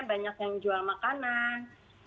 banyak yang jual makanan